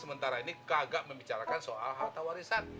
sementara ini kagak membicarakan soal harta warisan